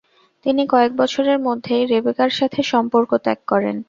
তিনি কয়েক বছরের মধ্যেই রেবেকার সাথে সম্পর্ক ত্যাগ করেন।